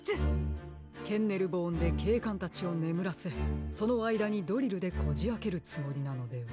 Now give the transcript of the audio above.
ケンネルボーンでけいかんたちをねむらせそのあいだにドリルでこじあけるつもりなのでは？